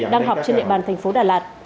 đang học trên địa bàn tp đà lạt